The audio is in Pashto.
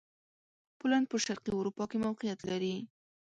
پولېنډ په شرقي اروپا کښې موقعیت لري.